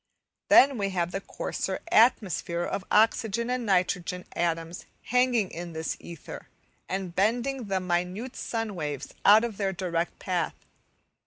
Then we have the coarser atmosphere of oxygen and nitrogen atoms hanging in this ether, and bending the minute sun waves out of their direct path.